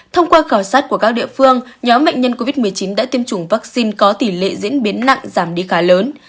thông qua khảo sát của các địa phương nhóm bệnh nhân covid một mươi chín đã tiêm chủng vaccine có tỷ lệ diễn biến nặng giảm đi khá lớn